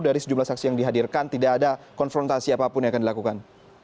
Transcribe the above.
dari sejumlah saksi yang dihadirkan tidak ada konfrontasi apapun yang akan dilakukan